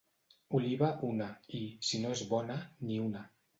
Oliva, una, i, si no és bona, ni una.